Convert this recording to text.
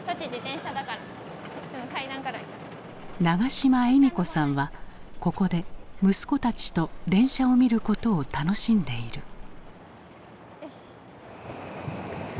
長嶋笑美子さんはここで息子たちと電車を見ることを楽しんでいる。